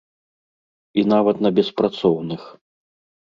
І нават на беспрацоўных.